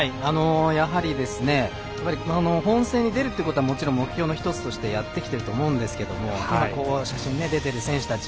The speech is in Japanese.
やはり本戦に出るということは目標の一つとしてやってきてると思うんですけど写真が出てる選手たち